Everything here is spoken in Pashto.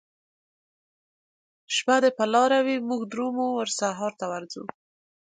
شپه دي په لاره وي موږ درومو وسحرته ورځو